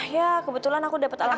ya kebetulan aku dapet alamat